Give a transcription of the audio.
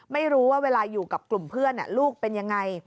ไม่รู้ว่าเวลาอยู่กับกลุ่มเพื่อนลูกเป็นยังไง